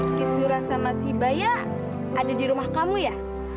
sizura sama si baya ada di rumah kamu ya